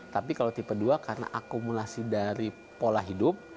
tapi kalau tipe dua karena akumulasi dari pola hidup